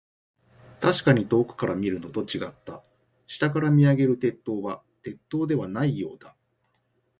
確かに遠くから見るのと、違った。下から見上げる鉄塔は、鉄塔ではないようだ。